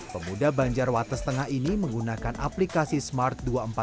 pemuda banjar watas tengah ini menggunakan aplikasi smart dua ratus empat puluh tujuh